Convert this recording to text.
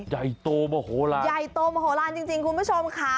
ใหญ่โตมาโหลาจริงคุณผู้ชมค่ะ